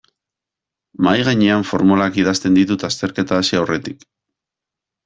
Mahaigainean formulak idazten ditut azterketa hasi aurretik.